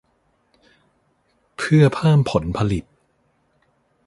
เพื่อเพิ่มผลผลิต